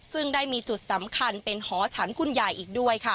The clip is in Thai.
ซึ่งได้มีจุดสำคัญเป็นหอฉันคุณใหญ่อีกด้วยค่ะ